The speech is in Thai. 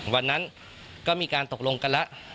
วันนั้นก็มีการตกลงกันแล้ว